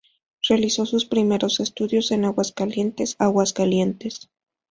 Realizó sus primeros estudios en Aguascalientes, Aguascalientes.